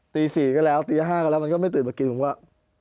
ตี๔ก็แล้วตี๕ก็แล้วมันก็ไม่ตื่นมากินผมก็